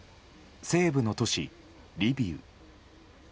西部の都市リビウ。